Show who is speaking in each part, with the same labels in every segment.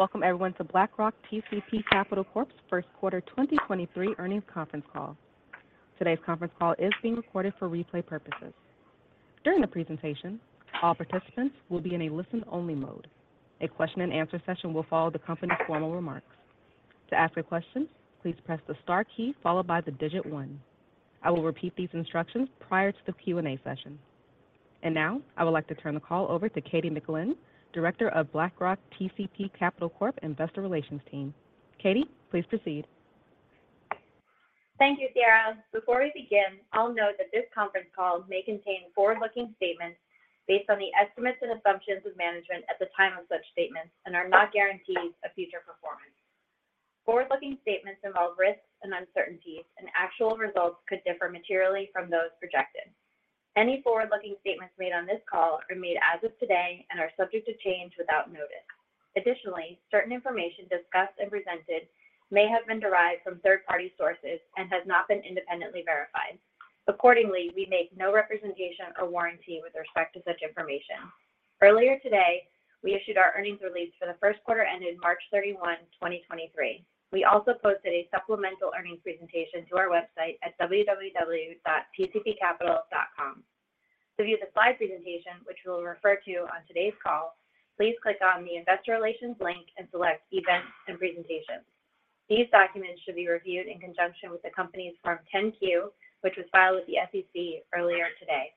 Speaker 1: Welcome everyone to BlackRock TCP Capital Corp's first quarter 2023 earnings conference call. Today's conference call is being recorded for replay purposes. During the presentation, all participants will be in a listen only mode. A question and answer session will follow the company's formal remarks. To ask a question, please press the star key followed by the digit one. I will repeat these instructions prior to the Q&A session. Now, I would like to turn the call over to Katie McGlynn, Director of BlackRock TCP Capital Corp Investor Relations team. Katie, please proceed.
Speaker 2: Thank you, Sarah. Before we begin, I'll note that this conference call may contain forward-looking statements based on the estimates and assumptions of management at the time of such statements and are not guarantees of future performance. Forward-looking statements involve risks and uncertainties, and actual results could differ materially from those projected. Any forward-looking statements made on this call are made as of today and are subject to change without notice. Additionally, certain information discussed and presented may have been derived from third-party sources and has not been independently verified. Accordingly, we make no representation or warranty with respect to such information. Earlier today, we issued our earnings release for the first quarter ending March 31st, 2023. We also posted a supplemental earnings presentation to our website at www.tcpcapital.com. To view the slide presentation, which we'll refer to on today's call, please click on the Investor Relations link and select Events and Presentations. These documents should be reviewed in conjunction with the company's Form 10-Q, which was filed with the SEC earlier today.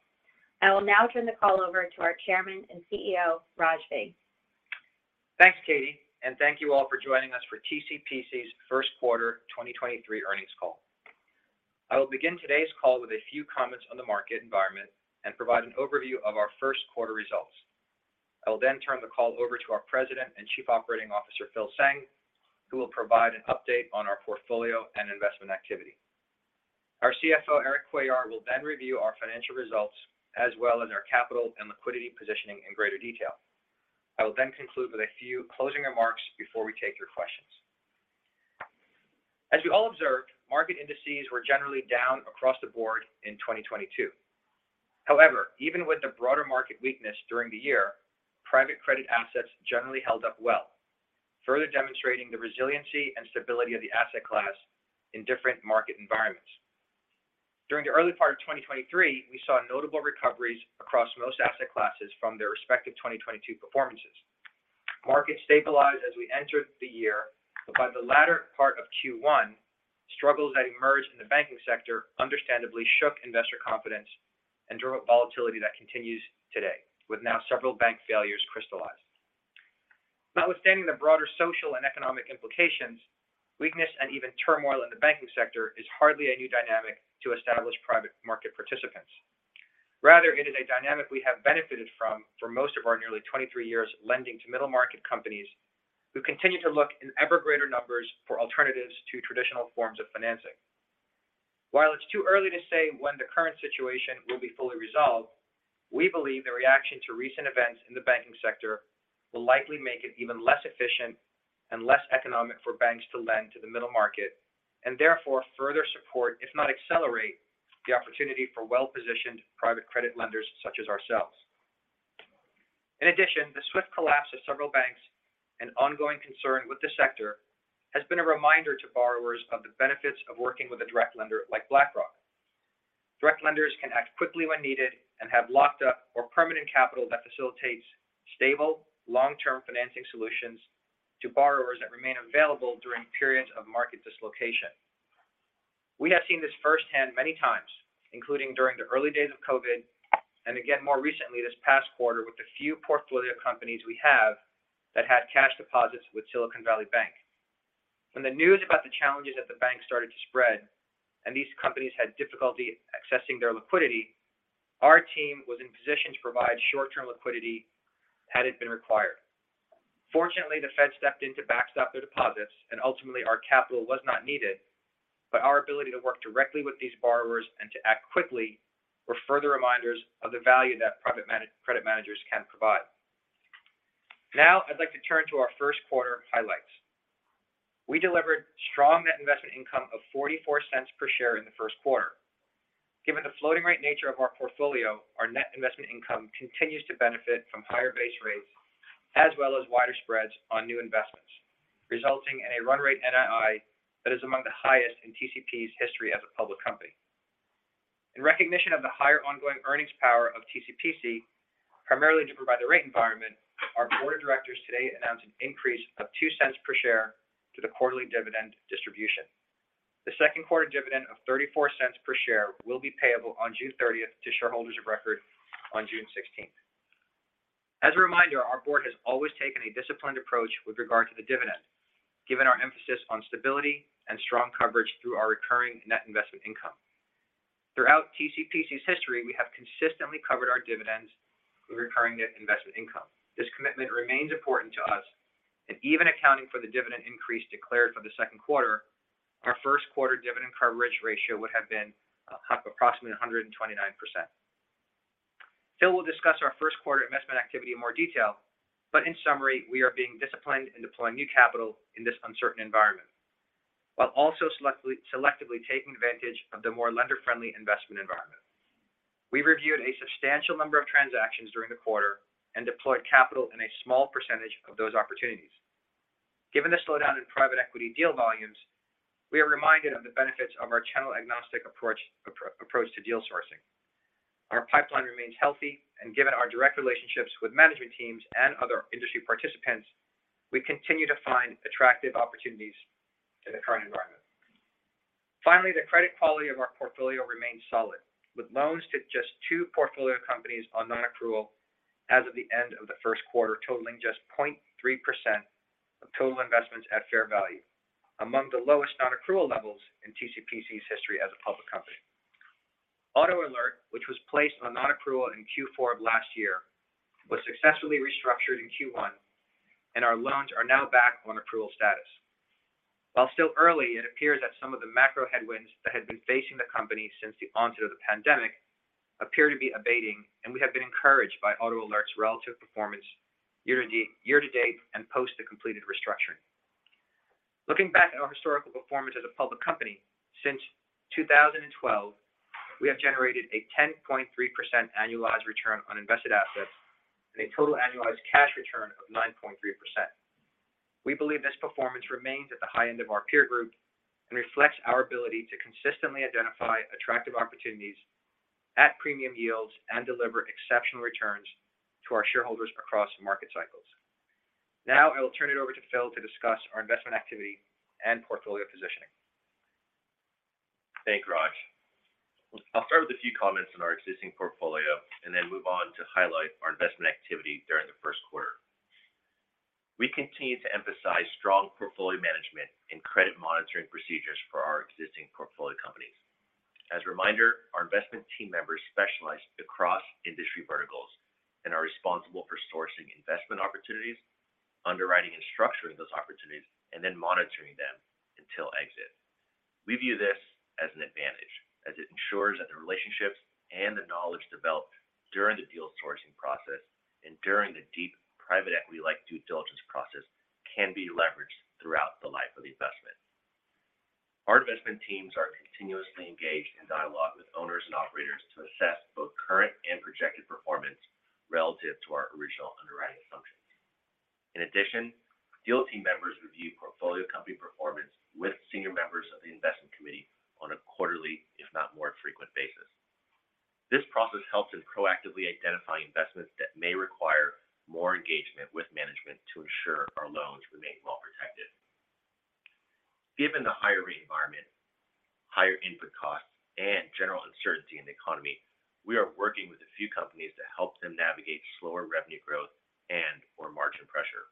Speaker 2: I will now turn the call over to our Chairman and CEO, Raj Vig.
Speaker 3: Thanks, Katie. Thank you all for joining us for TCPC's first quarter 2023 earnings call. I will begin today's call with a few comments on the market environment and provide an overview of our first quarter results. I will turn the call over to our President and Chief Operating Officer, Phil Tseng, who will provide an update on our portfolio and investment activity. Our CFO, Erik Cuellar, will then review our financial results as well as our capital and liquidity positioning in greater detail. I will conclude with a few closing remarks before we take your questions. As you all observed, market indices were generally down across the board in 2022. Even with the broader market weakness during the year, private credit assets generally held up well, further demonstrating the resiliency and stability of the asset class in different market environments. During the early part of 2023, we saw notable recoveries across most asset classes from their respective 2022 performances. Markets stabilized as we entered the year, by the latter part of Q1, struggles that emerged in the banking sector understandably shook investor confidence and drove volatility that continues today, with now several bank failures crystallized. Notwithstanding the broader social and economic implications, weakness and even turmoil in the banking sector is hardly a new dynamic to established private market participants. Rather, it is a dynamic we have benefited from for most of our nearly 23 years lending to middle-market companies who continue to look in ever-greater numbers for alternatives to traditional forms of financing. While it's too early to say when the current situation will be fully resolved, we believe the reaction to recent events in the banking sector will likely make it even less efficient and less economic for banks to lend to the middle market, and therefore further support, if not accelerate, the opportunity for well-positioned private credit lenders such as ourselves. The swift collapse of several banks and ongoing concern with the sector has been a reminder to borrowers of the benefits of working with a direct lender like BlackRock. Direct lenders can act quickly when needed and have locked up or permanent capital that facilitates stable, long-term financing solutions to borrowers that remain available during periods of market dislocation. We have seen this firsthand many times, including during the early days of COVID, again more recently this past quarter with the few portfolio companies we have that had cash deposits with Silicon Valley Bank. When the news about the challenges at the bank started to spread and these companies had difficulty accessing their liquidity, our team was in position to provide short-term liquidity had it been required. Fortunately, the Fed stepped in to backstop their deposits, ultimately our capital was not needed, our ability to work directly with these borrowers and to act quickly were further reminders of the value that private credit managers can provide. I'd like to turn to our first quarter highlights. We delivered strong net investment income of $0.44 per share in the first quarter. Given the floating rate nature of our portfolio, our net investment income continues to benefit from higher base rates as well as wider spreads on new investments, resulting in a run rate NII that is among the highest in TCP's history as a public company. In recognition of the higher ongoing earnings power of TCPC, primarily to provide the rate environment, our board of directors today announced an increase of $0.02 per share to the quarterly dividend distribution. The second quarter dividend of $0.34 per share will be payable on June 30th to shareholders of record on June 16th. As a reminder, our board has always taken a disciplined approach with regard to the dividend, given our emphasis on stability and strong coverage through our recurring net investment income. Throughout TCPC's history, we have consistently covered our dividends through recurring net investment income. This commitment remains important to us, even accounting for the dividend increase declared for the second quarter, our first quarter dividend coverage ratio would have been approximately 129%. Phil will discuss our first quarter investment activity in more detail, but in summary, we are being disciplined in deploying new capital in this uncertain environment, while also selectively taking advantage of the more lender-friendly investment environment. We reviewed a substantial number of transactions during the quarter and deployed capital in a small percentage of those opportunities. Given the slowdown in private equity deal volumes, we are reminded of the benefits of our channel agnostic approach to deal sourcing. Our pipeline remains healthy, given our direct relationships with management teams and other industry participants, we continue to find attractive opportunities in the current environment. Finally, the credit quality of our portfolio remains solid, with loans to just two portfolio companies on non-accrual as of the end of the first quarter, totaling just 0.3% of total investments at fair value, among the lowest non-accrual levels in TCPC's history as a public company. AutoAlert, which was placed on non-accrual in Q4 of last year, was successfully restructured in Q1, and our loans are now back on approval status. While still early, it appears that some of the macro headwinds that had been facing the company since the onset of the pandemic appear to be abating, and we have been encouraged by AutoAlert's relative performance year-to-date and post the completed restructuring. Looking back at our historical performance as a public company, since 2012, we have generated a 10.3% annualized return on invested assets and a total annualized cash return of 9.3%. We believe this performance remains at the high end of our peer group and reflects our ability to consistently identify attractive opportunities at premium yields and deliver exceptional returns to our shareholders across market cycles. Now, I will turn it over to Phil to discuss our investment activity and portfolio positioning.
Speaker 4: Thank you, Raj. I'll start with a few comments on our existing portfolio and then move on to highlight our investment activity during the first quarter. We continue to emphasize strong portfolio management and credit monitoring procedures for our existing portfolio companies. As a reminder, our investment team members specialize across industry verticals and are responsible for sourcing investment opportunities, underwriting and structuring those opportunities, and then monitoring them until exit. We view this as an advantage as it ensures that the relationships and the knowledge developed during the deal sourcing process and during the deep private equity-like due diligence process can be leveraged throughout the life of the investment. Our investment teams are continuously engaged in dialogue with owners and operators to assess both current and projected performance relative to our original underwriting assumptions. In addition, deal team members review portfolio company performance with senior members of the investment committee on a quarterly, if not more frequent, basis. This process helps in proactively identifying investments that may require more engagement with management to ensure our loans remain well protected. Given the higher rate environment, higher input costs, and general uncertainty in the economy, we are working with a few companies to help them navigate slower revenue growth and/or margin pressure.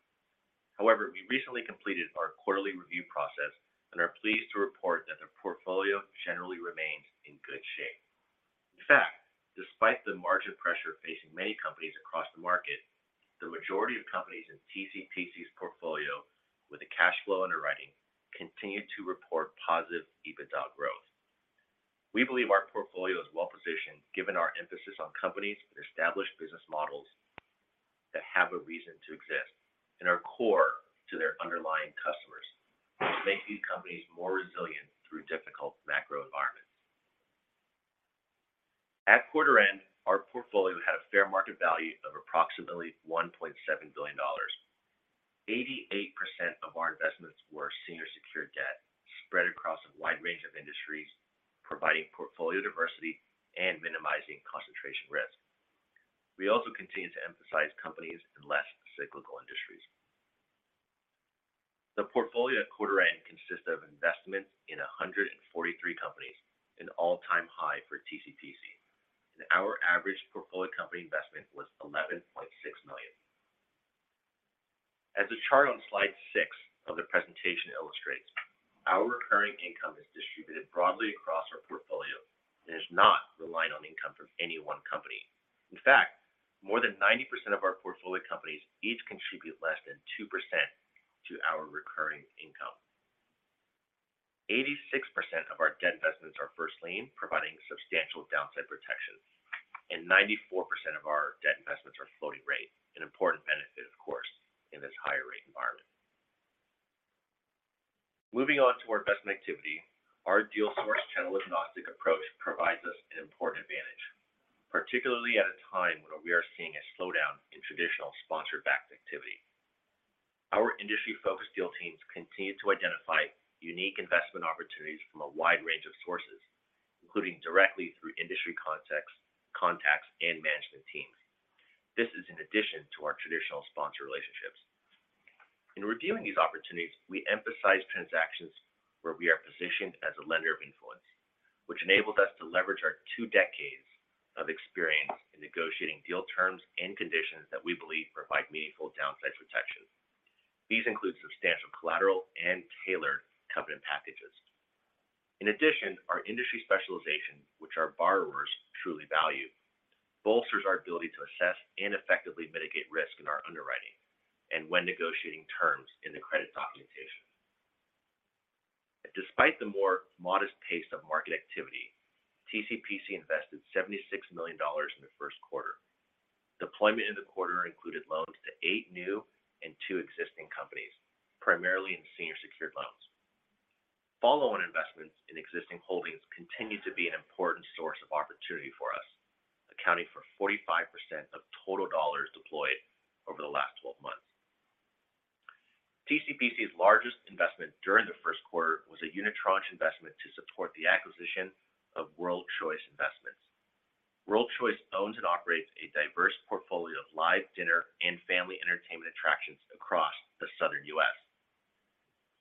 Speaker 4: We recently completed our quarterly review process and are pleased to report that their portfolio generally remains in good shape. Despite the margin pressure facing many companies across the market, the majority of companies in TCPC's portfolio with a cash flow underwriting continued to report positive EBITDA growth. We believe our portfolio is well-positioned given our emphasis on companies with established business models that have a reason to exist and are core to their underlying customers to make these companies more resilient through difficult macro environments. At quarter end, our portfolio had a fair market value of approximately $1.7 billion. 88% of our investments were senior secured debt spread across a wide range of industries, providing portfolio diversity and minimizing concentration risk. We also continue to emphasize companies in less cyclical industries. The portfolio at quarter end consists of investments in 143 companies, an all-time high for TCPC, and our average portfolio company investment was $11.6 million. As the chart on slide six of the presentation illustrates, our recurring income is distributed broadly across our portfolio and is not reliant on income from any one company. In fact, more than 90% of our portfolio companies each contribute less than 2% to our recurring income. 86% of our debt investments are first lien, providing substantial downside protection, and 94% of our debt investments are floating rate, an important benefit, of course, in this higher rate environment. Moving on to our investment activity, our deal source channel-agnostic approach provides us an important advantage, particularly at a time when we are seeing a slowdown in traditional sponsor-backed activity. Our industry-focused deal teams continue to identify unique investment opportunities from a wide range of sources, including directly through industry context, contacts and management teams. This is in addition to our traditional sponsor relationships. In reviewing these opportunities, we emphasize transactions where we are positioned as a lender of influence, which enables us to leverage our two decades of experience in negotiating deal terms and conditions that we believe provide meaningful downside protection. These include substantial collateral and tailored covenant packages. In addition, our industry specialization, which our borrowers truly value, bolsters our ability to assess and effectively mitigate risk in our underwriting and when negotiating terms in the credit documentation. Despite the more modest pace of market activity, TCPC invested $76 million. Deployment in the quarter included loans to eight new and two existing companies, primarily in senior secured loans. Follow-on investments in existing holdings continue to be an important source of opportunity for us, accounting for 45% of total dollars deployed over the last 12 months. BCIC's largest investment during the first quarter was a unitranche investment to support the acquisition of World Choice Investments. World Choice owns and operates a diverse portfolio of live dinner and family entertainment attractions across the Southern U.S.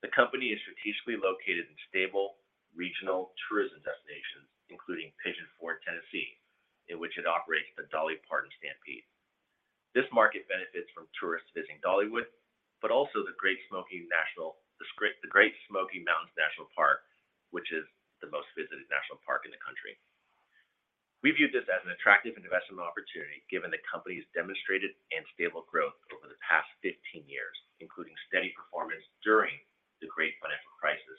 Speaker 4: The company is strategically located in stable regional tourism destinations, including Pigeon Forge, Tennessee, in which it operates the Dolly Parton's Stampede. This market benefits from tourists visiting Dollywood, but also the Great Smoky Mountains National Park, which is the most visited national park in the country. We viewed this as an attractive investment opportunity given the company's demonstrated and stable growth over the past 15 years, including steady performance during the great financial crisis,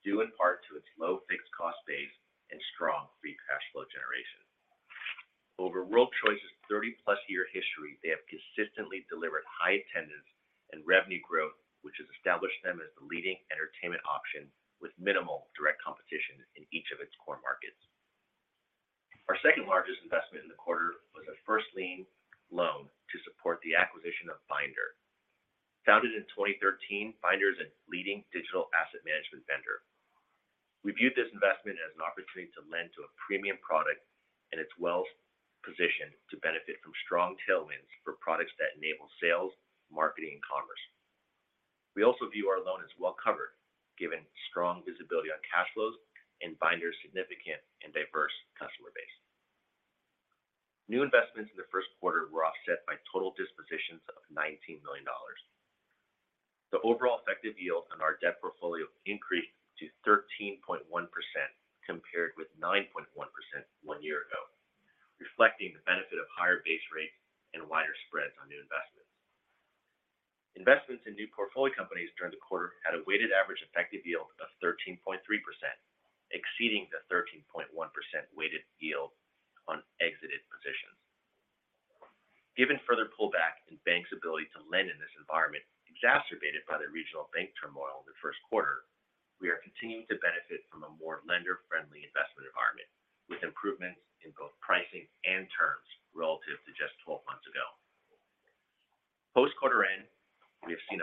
Speaker 4: due in part to its low fixed cost base and strong free cash flow generation. Over World Choice's 30+ year history, they have consistently delivered high attendance and revenue growth, which has established them as the leading entertainment option with minimal direct competition in each of its core markets. Our second-largest investment in the quarter was a first lien loan to support the acquisition of Bynder. Founded in 2013, Bynder is a leading digital asset management vendor. We viewed this investment as an opportunity to lend to a premium product and its wealth position to benefit from strong tailwinds for products that enable sales, marketing, and commerce. We also view our loan as well-covered, given strong visibility on cash flows and Bynder's significant and diverse customer base. New investments in the first quarter were offset by total dispositions of $19 million. The overall effective yield on our debt portfolio increased to 13.1% compared with 9.1% one year ago, reflecting the benefit of higher base rates and wider spreads on new investments. Investments in new portfolio companies during the quarter had a weighted average effective yield of 13.3%, exceeding the 13.1% weighted yield on exited positions. Given further pullback in banks' ability to lend in this environment, exacerbated by the regional bank turmoil in the first quarter, we are continuing to benefit from a more lender-friendly investment environment, with improvements in both pricing and terms relative to just 12 months ago. Post quarter end, we have been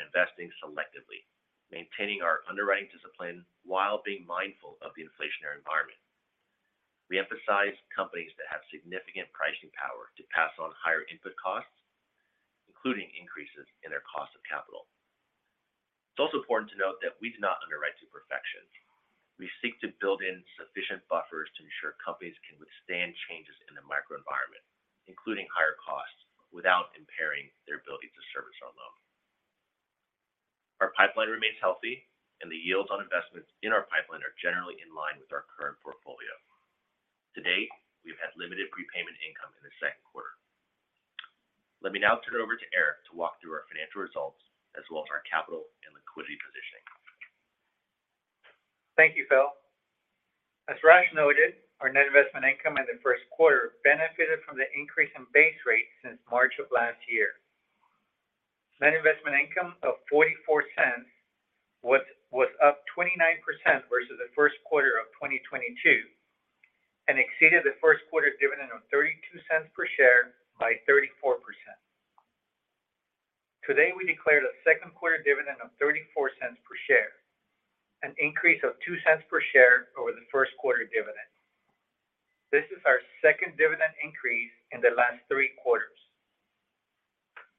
Speaker 4: investing selectively, maintaining our underwriting discipline while being mindful of the inflationary environment. We emphasize companies that have significant pricing power to pass on higher input costs, including increases in their cost of capital. It's also important to note that we do not underwrite to perfection. We seek to build in sufficient buffers to ensure companies can withstand changes in the microenvironment, including higher costs, without impairing their ability to service our loan. Our pipeline remains healthy, and the yields on investments in our pipeline are generally in line with our current portfolio. To date, we've had limited prepayment income in the second quarter. Let me now turn it over to Erik to walk through our financial results as well as our capital and liquidity positioning.
Speaker 5: Thank you, Phil. As Raj noted, our net investment income in the first quarter benefited from the increase in base rates since March of last year. Net investment income of $0.44 was up 29% versus the first quarter of 2022 and exceeded the first quarter dividend of $0.32 per share by 34%. Today, we declared a second quarter dividend of $0.34 per share, an increase of $0.02 per share over the first quarter dividend. This is our second dividend increase in the last three quarters.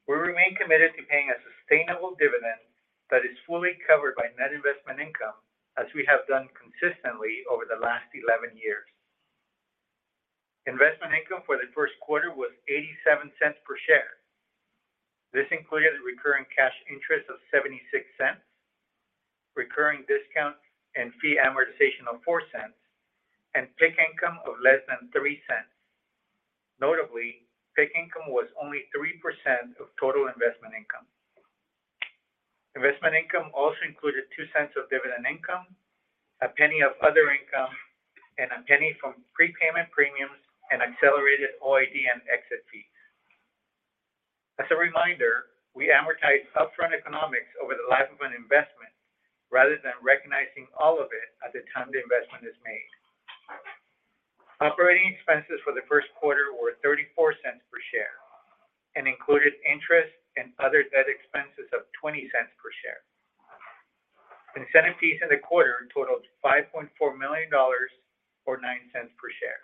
Speaker 5: We remain committed to paying a sustainable dividend that is fully covered by net investment income, as we have done consistently over the last 11 years. Investment income for the first quarter was $0.87 per share. This included recurring cash interest of $0.76, recurring discount and fee amortization of $0.04, and PIK income of less than $0.03. Notably, PIK income was only 3% of total investment income. Investment income also included $0.02 of dividend income, $0.01 of other income, and $0.01 from prepayment premiums and accelerated OID and exit fees. As a reminder, we amortize upfront economics over the life of an investment rather than recognizing all of it at the time the investment is made. Operating expenses for the first quarter were $0.34 per share and included interest and other net expenses of $0.20 per share. Incentive fees in the quarter totaled $5.4 million, or $0.09 per share.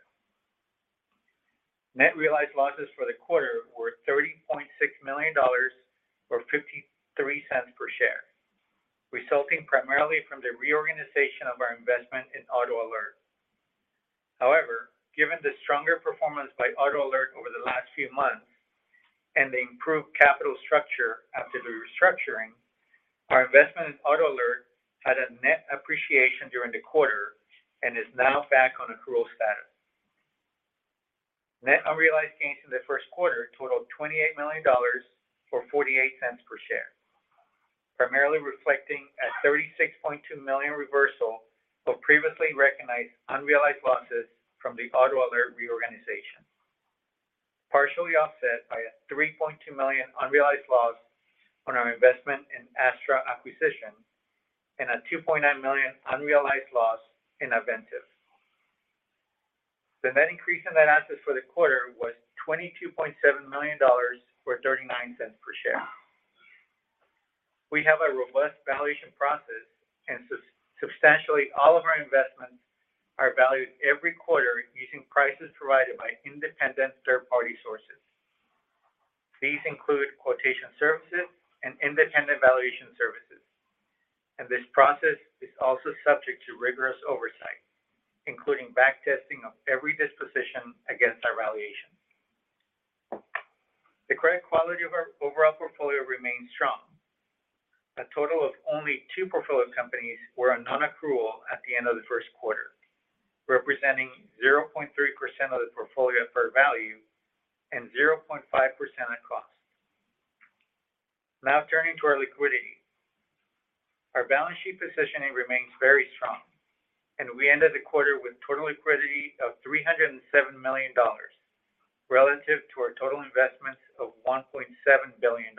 Speaker 5: Net realized losses for the quarter were $30.6 million, or $0.53 per share, resulting primarily from the reorganization of our investment in AutoAlert. However, given the stronger performance by AutoAlert over the last few months and the improved capital structure after the restructuring, our investment in AutoAlert had a net appreciation during the quarter and is now back on accrual status. Net unrealized gains in the first quarter totaled $28 million, or $0.48 per share. Primarily reflecting a $36.2 million reversal of previously recognized unrealized losses from the AutoAlert reorganization. Partially offset by a $3.2 million unrealized loss on our investment in Astra Acquisition and a $2.9 million unrealized loss in Aventiv. The net increase in that asset for the quarter was $22.7 million, or $0.39 per share. We have a robust valuation process, and substantially all of our investments are valued every quarter using prices provided by independent third-party sources. These include quotation services and independent valuation services. This process is also subject to rigorous oversight, including back testing of every disposition against our valuations. The credit quality of our overall portfolio remains strong. A total of only two portfolio companies were on non-accrual at the end of the first quarter, representing 0.3% of the portfolio fair value and 0.5% at cost. Now turning to our liquidity. Our balance sheet positioning remains very strong, and we ended the quarter with total liquidity of $307 million relative to our total investment of $1.7 billion.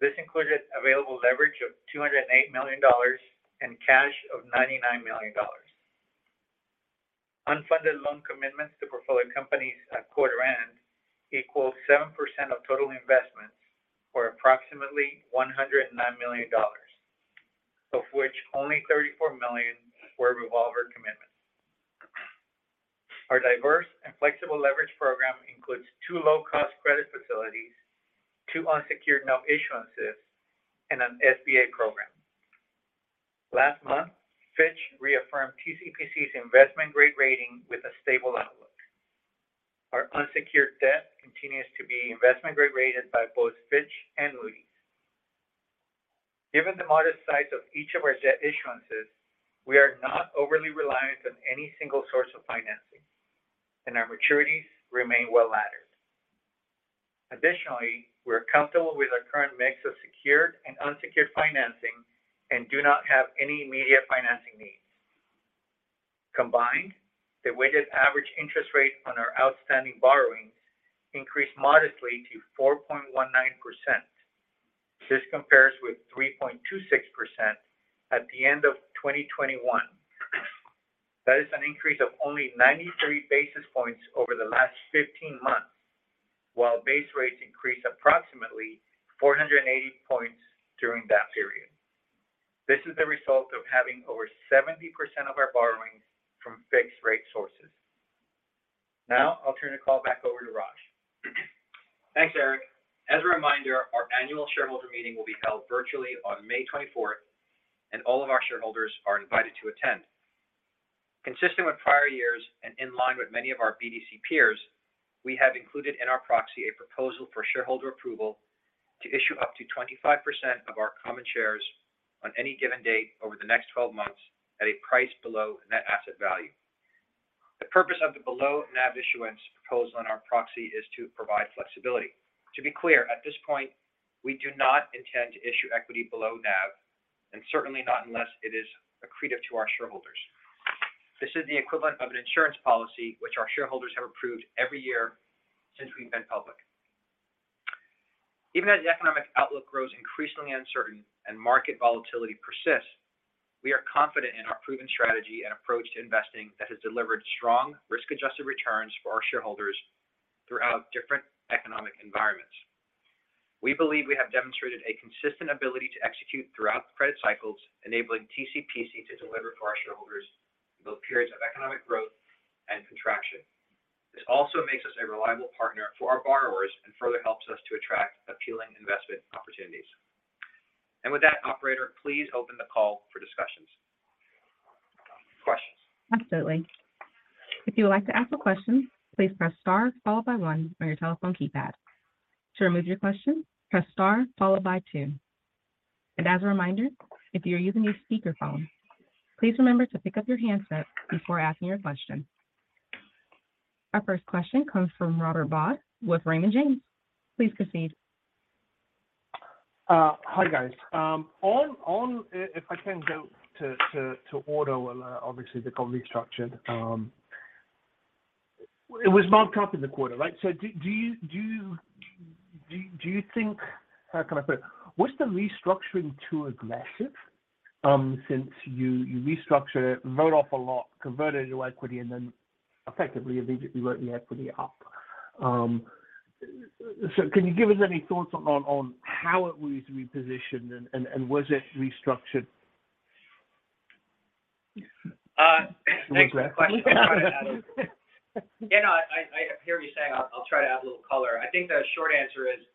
Speaker 5: This included available leverage of $208 million and cash of $99 million. Unfunded loan commitments to portfolio companies at quarter end equals 7% of total investments, or approximately $109 million, of which only $34 million were revolver commitments. Our diverse and flexible leverage program includes two low-cost credit facilities, two unsecured note issuances, and an SBA program. Last month, Fitch reaffirmed TCPC's investment-grade rating with a stable outlook. Our unsecured debt continues to be investment-grade rated by both Fitch and Moody's. Given the modest size of each of our debt issuances, we are not overly reliant on any single source of financing, and our maturities remain well-laddered. Additionally, we're comfortable with our current mix of secured and unsecured financing and do not have any immediate financing needs. Combined, the weighted average interest rate on our outstanding borrowings increased modestly to 4.19%. This compares with 3.26% at the end of 2021. That is an increase of only 93 basis points over the last 15 months, while base rates increased approximately 480 points during that period. This is the result of having over 70% of our borrowings from fixed-rate sources. I'll turn the call back over to Raj.
Speaker 3: Thanks, Erik. As a reminder, our annual shareholder meeting will be held virtually on May 24th, and all of our shareholders are invited to attend. Consistent with prior years and in line with many of our BDC peers, we have included in our proxy a proposal for shareholder approval to issue up to 25% of our common shares on any given date over the next 12 months at a price below net asset value. The purpose of the below NAV issuance proposal in our proxy is to provide flexibility. To be clear, at this point, we do not intend to issue equity below NAV, and certainly not unless it is accretive to our shareholders. This is the equivalent of an insurance policy which our shareholders have approved every year since we've been public. Even as the economic outlook grows increasingly uncertain and market volatility persists, we are confident in our proven strategy and approach to investing that has delivered strong risk-adjusted returns for our shareholders throughout different economic environments. We believe we have demonstrated a consistent ability to execute throughout the credit cycles, enabling TCPC to deliver for our shareholders in both periods of economic growth and contraction. This also makes us a reliable partner for our borrowers and further helps us to attract appealing investment opportunities. With that, operator, please open the call for discussions. Questions.
Speaker 1: Absolutely. If you would like to ask a question, please press star followed by one on your telephone keypad. To remove your question, press star followed by two. As a reminder, if you are using your speaker phone, please remember to pick up your handset before asking your question. Our first question comes from Robert Dodd with Raymond James. Please proceed.
Speaker 6: Hi, guys. If I can go to AutoAlert, obviously, the company structured. It was marked up in the quarter, right? Do you think how can I put it? Was the restructuring too aggressive, since you restructured it, wrote off a lot, converted it to equity, and then effectively immediately wrote the equity up? Can you give us any thoughts on how it was repositioned and was it restructured?
Speaker 3: Thanks for the question. Yeah, no, I hear what you're saying. I'll try to add a little color. I think the short answer is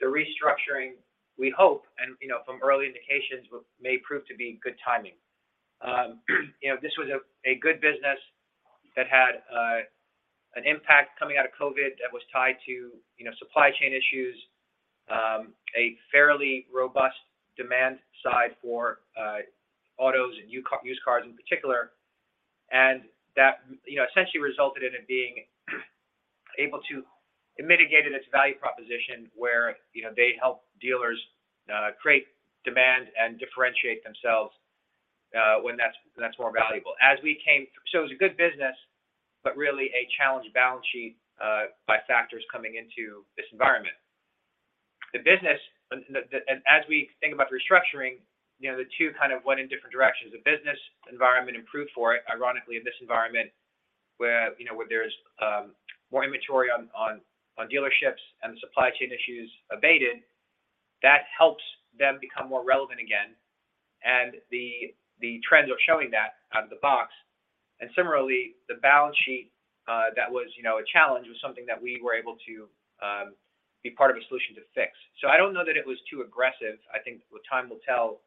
Speaker 3: the restructuring, we hope, and, you know, from early indications may prove to be good timing. You know, this was a good business that had an impact coming out of COVID that was tied to, you know, supply chain issues, a fairly robust demand side for autos and used cars in particular. That, you know, essentially resulted in it mitigated its value proposition where, you know, they help dealers create demand and differentiate themselves when that's more valuable. It was a good business, but really a challenged balance sheet by factors coming into this environment. The business and as we think about restructuring, you know, the two kind of went in different directions. The business environment improved for it, ironically, in this environment where, you know, where there's more inventory on dealerships and the supply chain issues abated. That helps them become more relevant again. The trends are showing that out of the box. Similarly, the balance sheet that was, you know, a challenge was something that we were able to be part of a solution to fix. I don't know that it was too aggressive. I think what time will tell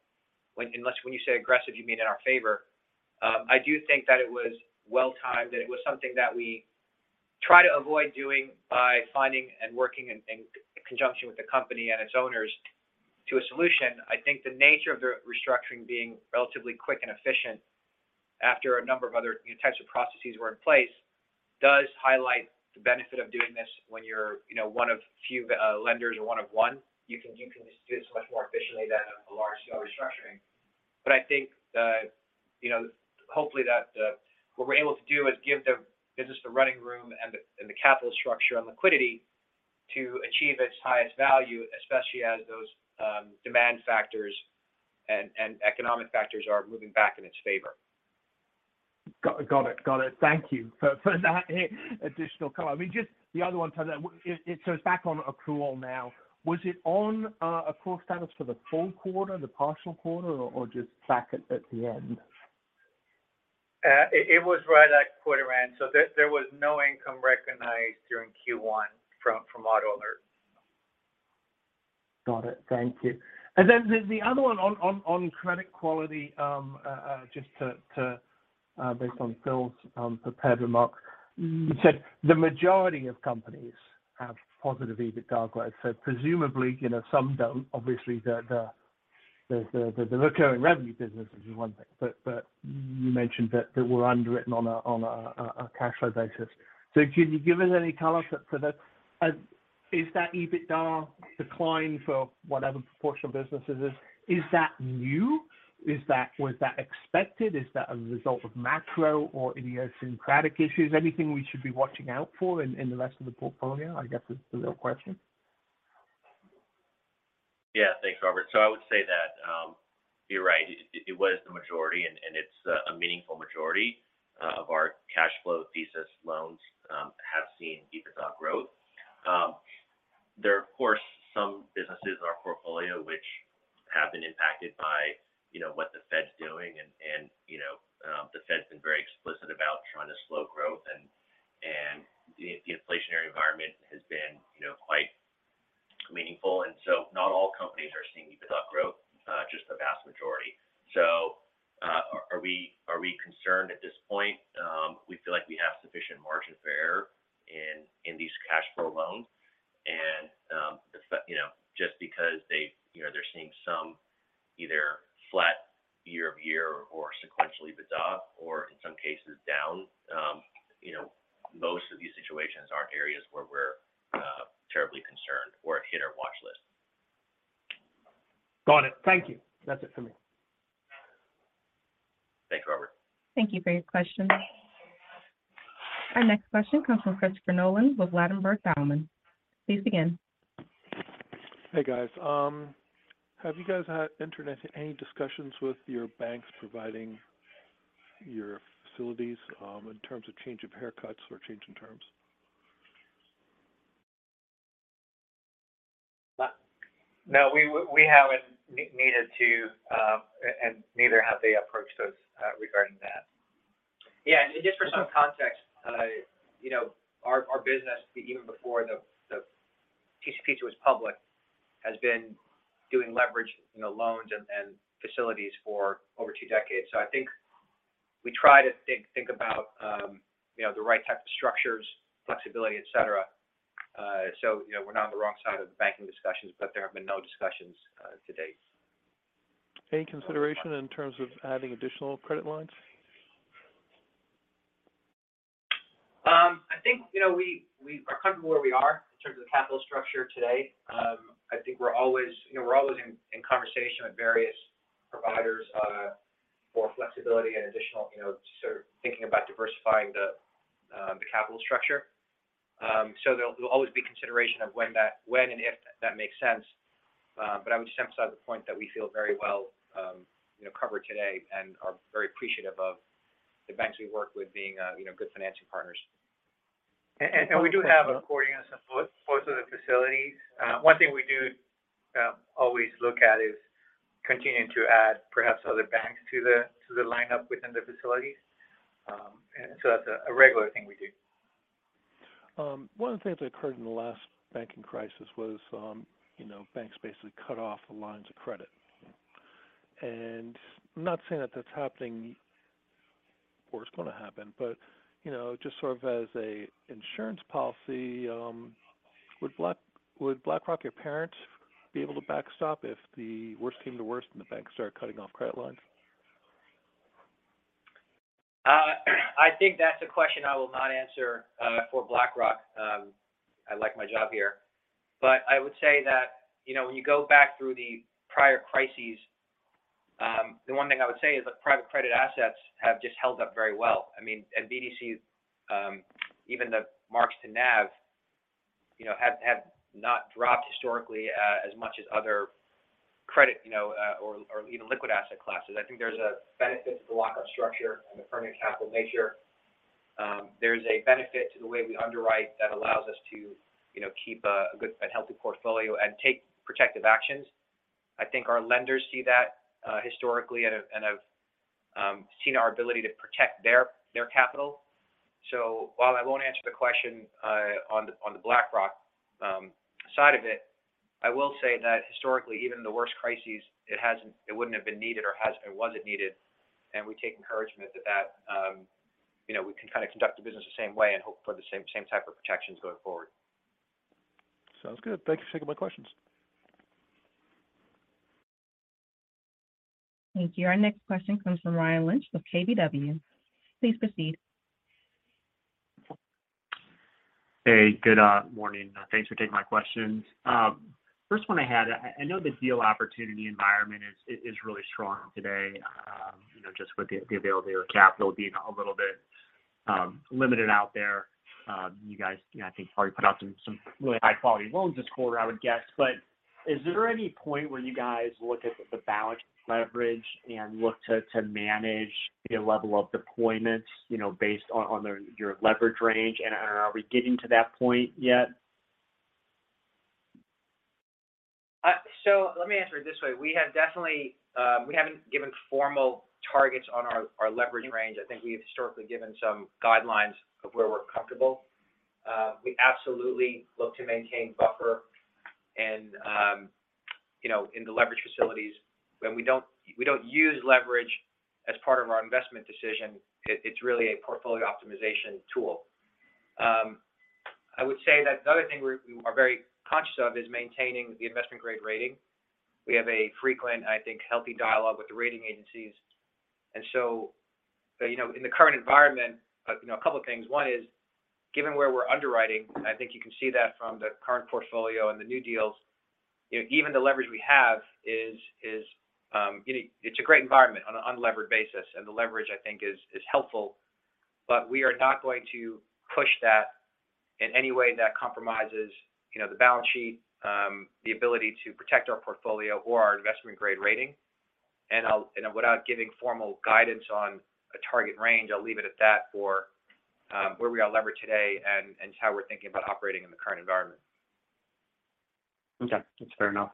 Speaker 3: when unless when you say aggressive, you mean in our favor. I do think that it was well-timed, that it was something that we try to avoid doing by finding and working in conjunction with the company and its owners to a solution. I think the nature of the restructuring being relatively quick and efficient after a number of other, you know, types of processes were in place does highlight the benefit of doing this when you're, you know, one of few lenders or one of one. You can just do this much more efficiently than a large scale restructuring. I think the, you know, hopefully that what we're able to do is give the business the running room and the capital structure and liquidity to achieve its highest value, especially as those demand factors and economic factors are moving back in its favor.
Speaker 6: Got it. Got it. Thank you for that additional color. I mean, just the other one. It's back on accrual now. Was it on accrual status for the full quarter, the partial quarter, or just back at the end?
Speaker 3: It was right at quarter end, so there was no income recognized during Q1 from AutoAlert.
Speaker 6: Got it. Thank you. The other one on credit quality, just to, based on Phil's prepared remarks. You said the majority of companies have positive EBITDA growth. Presumably, you know, some don't. Obviously, the recurring revenue business is one thing, but you mentioned that they were underwritten on a cash flow basis. Can you give us any color for that? Is that EBITDA decline for whatever proportion of businesses, is that new? Was that expected? Is that a result of macro or idiosyncratic issues? Anything we should be watching out for in the rest of the portfolio, I guess, is the real question.
Speaker 4: Yeah. Thanks, Robert. I would say that, you're right. It was the majority, and it's a meaningful majority of our cash flow thesis loans have seen EBITDA growth. There are, of course, some businesses in our portfolio which have been impacted by, you know, what the Fed's doing. You know, the Fed's been very explicit about trying to slow growth and the inflationary environment has been, you know, quite meaningful. Not all companies are seeing EBITDA growth, just the vast majority. Are we concerned at this point? We feel like we have sufficient margin for error in these cash flow loans. You know, just because they, you know, they're seeing some either flat year-over-year or sequentially EBITDA or in some cases down, you know, most of these situations aren't areas where we're terribly concerned or hit our watch list.
Speaker 6: Got it. Thank you. That's it for me.
Speaker 4: Thanks, Robert.
Speaker 1: Thank you for your question. Our next question comes from Christopher Nolan with Ladenburg Thalmann. Please begin.
Speaker 7: Hey, guys. Have you guys entered into any discussions with your banks providing your facilities, in terms of change of haircuts or change in terms?
Speaker 3: No, we haven't needed to, and neither have they approached us regarding that.
Speaker 4: Yeah. Just for some context, you know, our business, even before the TCP2 was public, has been doing leverage, you know, loans and facilities for over two decades. I think we try to think about, you know, the right type of structures, flexibility, etc. You know, we're not on the wrong side of the banking discussions, but there have been no discussions to date.
Speaker 7: Any consideration in terms of adding additional credit lines?
Speaker 4: I think, you know, we are comfortable where we are in terms of the capital structure today. I think we're always, you know, we're always in conversation with various providers, for flexibility and additional, you know, sort of thinking about diversifying the capital structure. There'll always be consideration of when and if that makes sense. I would just emphasize the point that we feel very well, you know, covered today and are very appreciative of the banks we work with being, you know, good financing partners.
Speaker 3: We do have accordance in both of the facilities. One thing we do, always look at is continuing to add perhaps other banks to the lineup within the facilities. That's a regular thing we do.
Speaker 7: One of the things that occurred in the last banking crisis was, you know, banks basically cut off the lines of credit. I'm not saying that that's happening or it's gonna happen, but, you know, just sort of as a insurance policy, would BlackRock, your parent, be able to backstop if the worst came to worst and the banks started cutting off credit lines?
Speaker 3: I think that's a question I will not answer for BlackRock. I like my job here. I would say that, you know, when you go back through the prior crises, the one thing I would say is that private credit assets have just held up very well. I mean, and BDCs, even the marks to NAV, you know, have not dropped historically as much as other credit, you know, or even liquid asset classes. I think there's a benefit to the lock-up structure and the permanent capital nature. There's a benefit to the way we underwrite that allows us to, you know, keep a healthy portfolio and take protective actions. I think our lenders see that historically and have seen our ability to protect their capital. While I won't answer the question on the BlackRock side of it, I will say that historically, even in the worst crises, it wouldn't have been needed or it wasn't needed. We take encouragement that, you know, we can kind of conduct the business the same way and hope for the same type of protections going forward.
Speaker 7: Sounds good. Thank you for taking my questions.
Speaker 1: Thank you. Our next question comes from Ryan Lynch with KBW. Please proceed.
Speaker 8: Hey, good morning. Thanks for taking my questions. First one I had, I know the deal opportunity environment is really strong today, you know, just with the availability of capital being a little bit limited out there. You guys, you know, I think probably put out some really high-quality loans this quarter, I would guess. Is there any point where you guys look at the balance leverage and look to manage the level of deployments, you know, based on your leverage range? Are we getting to that point yet?
Speaker 3: So let me answer it this way. We have definitely, we haven't given formal targets on our leverage range. I think we've historically given some guidelines of where we're comfortable. We absolutely look to maintain buffer and, you know, in the leverage facilities when we don't, we don't use leverage as part of our investment decision. It's really a portfolio optimization tool. I would say that the other thing we are very conscious of is maintaining the investment-grade rating. We have a frequent, I think, healthy dialogue with the rating agencies. So, you know, in the current environment, you know, a couple of things. One is, given where we're underwriting, I think you can see that from the current portfolio and the new deals. You know, even the leverage we have is, you know, it's a great environment on an unlevered basis, and the leverage, I think, is helpful. We are not going to push that in any way that compromises, you know, the balance sheet, the ability to protect our portfolio or our investment-grade rating. Without giving formal guidance on a target range, I'll leave it at that for, where we are levered today and how we're thinking about operating in the current environment.
Speaker 8: Okay. That's fair enough.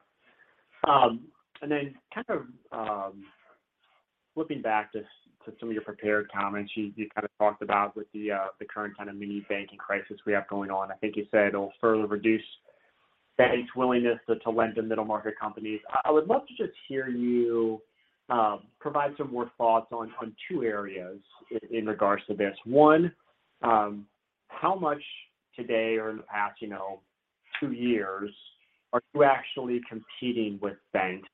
Speaker 8: Then kind of, flipping back to some of your prepared comments, you kind of talked about with the current kind of mini banking crisis we have going on. I think you said it'll further reduce banks' willingness to lend to middle market companies. I would love to just hear you provide some more thoughts on two areas in regards to this. One, how much today or in the past, you know, two years are you actually competing with banks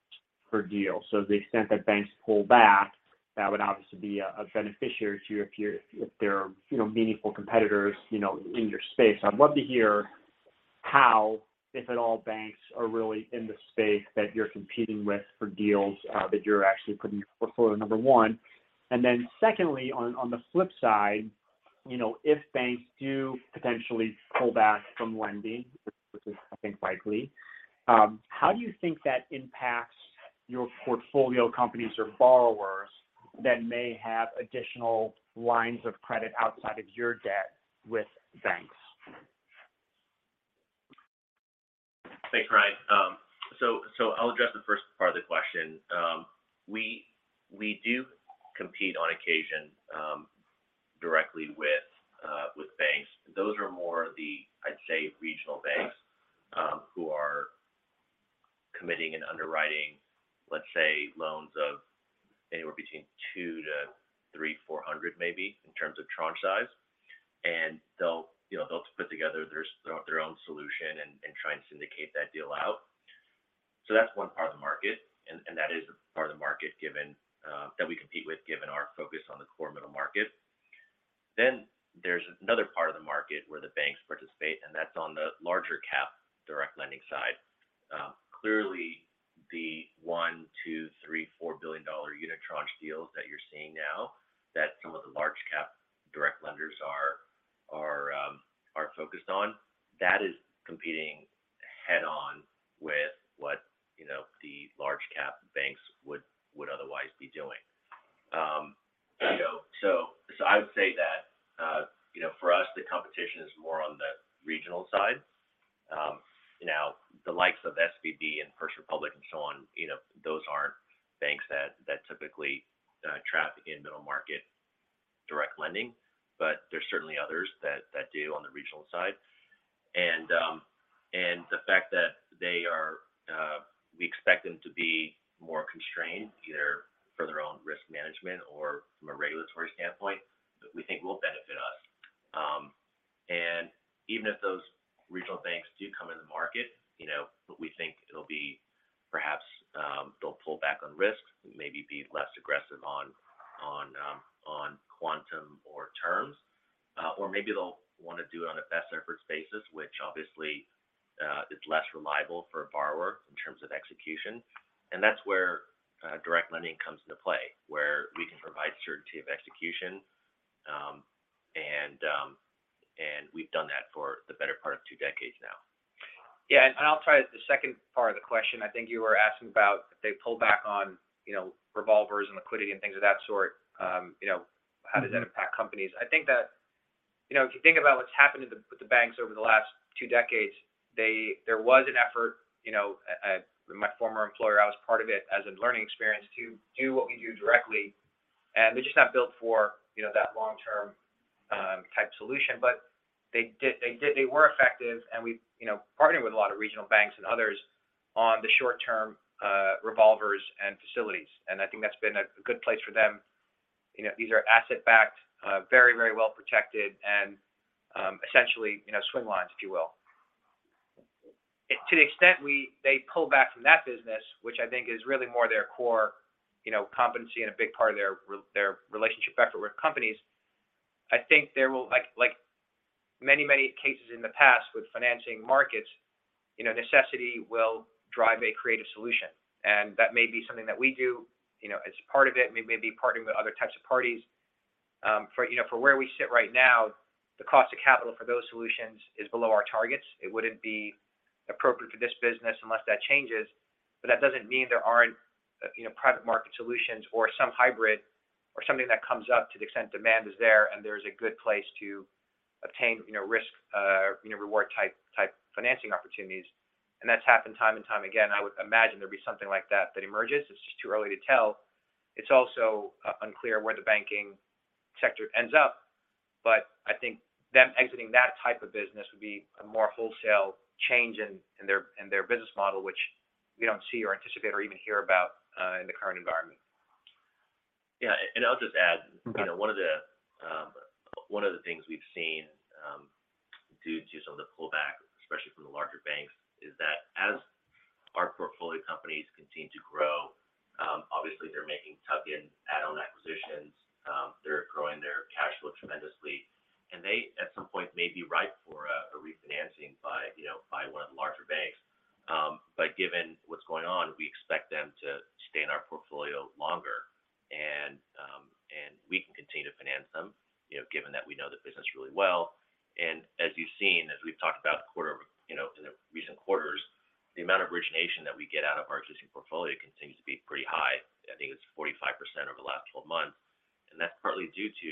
Speaker 8: per deal? To the extent that banks pull back, that would obviously be a beneficiary to you if there are, you know, meaningful competitors, you know, in your space. I'd love to hear how, if at all, banks are really in the space that you're competing with for deals, that you're actually putting your portfolio, number one. Secondly, on the flip side, you know, if banks do potentially pull back from lending, which is I think likely, how do you think that impacts your portfolio companies or borrowers that may have additional lines of credit outside of your debt with banks?
Speaker 4: Thanks, Ryan. I'll address the first part of the question. We do compete on occasion, directly with banks. Those are more the, I'd say, regional banks, who are committing and underwriting, let's say, loans of anywhere between $200 million to $300 million, $400 million maybe in terms of tranche size. They'll, you know, they'll put together their own solution and try and syndicate that deal out. That's one part of the market, and that is a part of the market given that we compete with given our focus on the core middle market. There's another part of the market where the banks participate, and that's on the larger cap direct lending side. Clearly the $1 billion, $2 billion, $3 billion, $4 billion unitranche deals that you're seeing now that some of the large cap direct lenders are focused on, that is competing head-on with what, you know, the large cap banks would otherwise be doing. You know, so I would say that, you know, for us, the competition is more on the regional side. You know, the likes of SVB and First Republic and so on, you know, those aren't banks that typically trap in middle-market direct lending. There's certainly others that do on the regional side. The fact that they are, we expect them to be more constrained either for their own risk management or from a regulatory standpoint, we think will benefit us. Even if those regional banks do come in the market, you know, we think it'll be perhaps, they'll pull back on risks, maybe be less aggressive on quantum or terms. Or maybe they'll wanna do it on a best effort basis, which obviously is less reliable for a borrower in terms of execution. That's where direct lending comes into play, where we can provide certainty of execution. We've done that for the better part of two decades now.
Speaker 3: I'll try the second part of the question. I think you were asking about if they pull back on, you know, revolvers and liquidity and things of that sort, you know, how does that impact companies? I think that, you know, if you think about what's happened with the banks over the last two decades, there was an effort, you know, my former employer, I was part of it as a learning experience to do what we do directly, and they're just not built for, you know, that long-term type solution. They did, they were effective, and we, you know, partnered with a lot of regional banks and others on the short term, revolvers and facilities. I think that's been a good place for them. You know, these are asset-backed, very, very well protected and, essentially, you know, swing lines, if you will. To the extent they pull back from that business, which I think is really more their core, you know, competency and a big part of their relationship effort with companies. I think there will. Like many, many cases in the past with financing markets, you know, necessity will drive a creative solution, and that may be something that we do, you know, as part of it. We may be partnering with other types of parties. For, you know, for where we sit right now, the cost of capital for those solutions is below our targets. It wouldn't be appropriate for this business unless that changes. That doesn't mean there aren't, you know, private market solutions or some hybrid or something that comes up to the extent demand is there and there's a good place to obtain, you know, risk, you know, reward type financing opportunities. That's happened time and time again. I would imagine there'd be something like that that emerges. It's just too early to tell. It's also unclear where the banking sector ends up, but I think them exiting that type of business would be a more wholesale change in their business model, which we don't see or anticipate or even hear about in the current environment.
Speaker 4: Yeah. I'll just add-
Speaker 3: Okay.
Speaker 4: You know, one of the, one of the things we've seen, due to some of the pullback, especially from the larger banks, is that as our portfolio companies continue to grow, obviously they're making tuck-in add-on acquisitions. They're growing their cash flow tremendously, and they at some point may be ripe for a refinancing by one of the larger banks. Given what's going on, we expect them to stay in our portfolio longer and we can continue to finance them, you know, given that we know the business really well. As you've seen, as we've talked about, you know, in the recent quarters, the amount of origination that we get out of our existing portfolio continues to be pretty high. I think it's 45% over the last 12 months. That's partly due to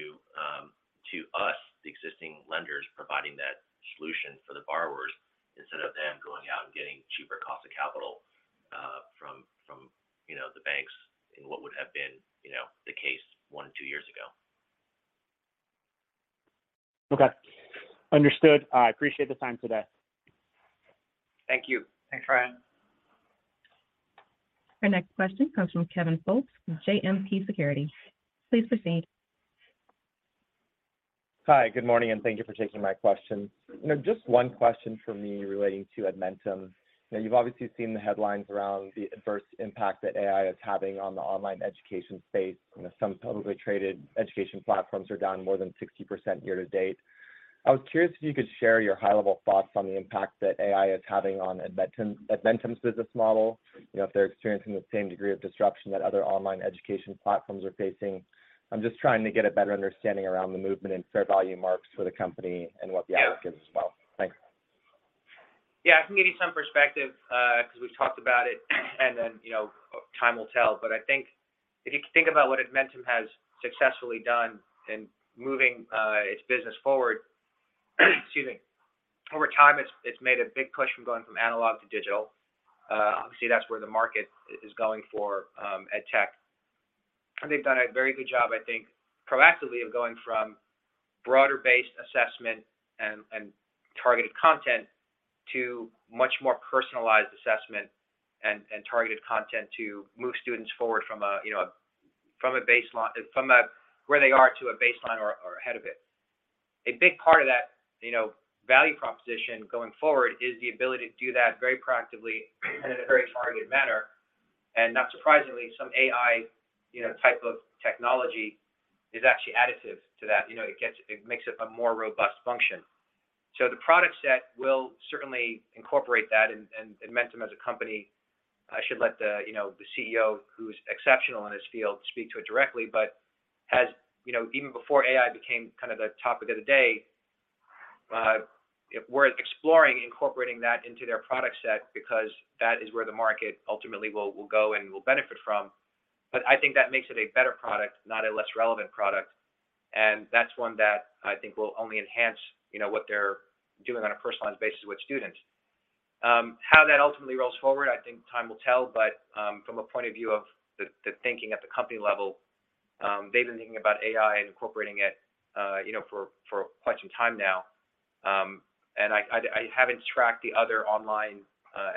Speaker 4: us, the existing lenders, providing that solution for the borrowers instead of them going out and getting cheaper cost of capital, from, you know, the banks in what would have been, you know, the case 1 to 2 years ago.
Speaker 8: Understood. I appreciate the time today.
Speaker 4: Thank you.
Speaker 3: Thanks, Ryan.
Speaker 1: Our next question comes from Kevin Fultz from Citizens JMP Securities. Please proceed.
Speaker 9: Hi, good morning. Thank you for taking my question. You know, just one question from me relating to Edmentum. You know, you've obviously seen the headlines around the adverse impact that AI is having on the online education space. You know, some publicly traded education platforms are down more than 60% year to date. I was curious if you could share your high-level thoughts on the impact that AI is having on Edmentum's business model. You know, if they're experiencing the same degree of disruption that other online education platforms are facing. I'm just trying to get a better understanding around the movement and fair value marks for the company and what the outlook is as well. Thanks.
Speaker 3: Yeah, I can give you some perspective, 'cause we've talked about it and then, you know, time will tell. But I think if you think about what Edmentum has successfully done in moving its business forward, excuse me, over time, it's made a big push from going from analog to digital. Obviously, that's where the market is going for ed tech. And they've done a very good job, I think, proactively of going from broader-based assessment and targeted content to much more personalized assessment and targeted content to move students forward from a, you know, where they are to a baseline or ahead of it. A big part of that, you know, value proposition going forward is the ability to do that very proactively and in a very targeted manner. Not surprisingly, some AI, you know, type of technology is actually additive to that. You know, it makes it a more robust function. The product set will certainly incorporate that. Edmentum as a company, I should let the, you know, the CEO, who's exceptional in his field, speak to it directly, but has, you know, even before AI became kind of the topic of the day, were exploring incorporating that into their product set because that is where the market ultimately will go and will benefit from. I think that makes it a better product, not a less relevant product. That's one that I think will only enhance, you know, what they're doing on a personalized basis with students. How that ultimately rolls forward, I think time will tell. From a point of view of the thinking at the company level, they've been thinking about AI and incorporating it, you know, for quite some time now. I haven't tracked the other online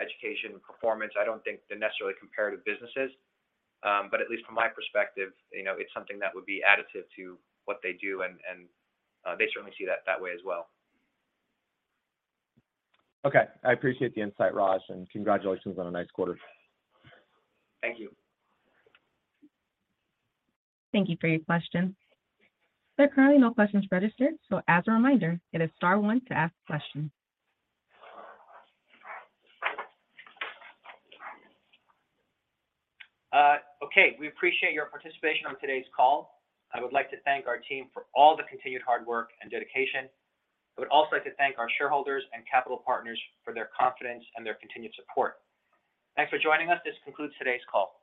Speaker 3: education performance. I don't think they're necessarily comparative businesses. At least from my perspective, you know, it's something that would be additive to what they do and they certainly see that that way as well.
Speaker 9: Okay. I appreciate the insight, Raj. Congratulations on a nice quarter.
Speaker 3: Thank you.
Speaker 1: Thank you for your question. There are currently no questions registered. As a reminder, it is star one to ask a question.
Speaker 3: Okay. We appreciate your participation on today's call. I would like to thank our team for all the continued hard work and dedication. I would also like to thank our shareholders and capital partners for their confidence and their continued support. Thanks for joining us. This concludes today's call.